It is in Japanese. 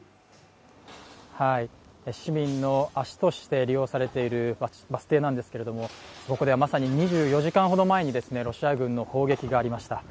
市民の足として利用されているバス停なんですけれどもここではまさに２４時間ほど前にロシア軍の砲撃がありました。